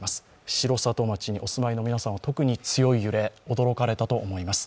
城里町にお住まいの皆さんは、特に強い揺れ驚かれたと思います。